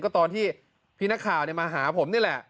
ก็ตอนที่พี่นักข่าวมาหาผมนี่แหละ